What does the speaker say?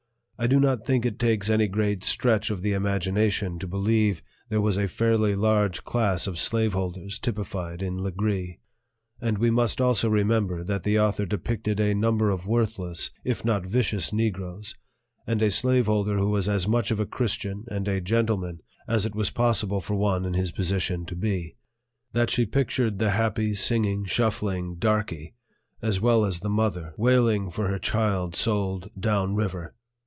I do not think it takes any great stretch of the imagination to believe there was a fairly large class of slave holders typified in Legree. And we must also remember that the author depicted a number of worthless if not vicious Negroes, and a slave holder who was as much of a Christian and a gentleman as it was possible for one in his position to be; that she pictured the happy, singing, shuffling "darky" as well as the mother wailing for her child sold "down river."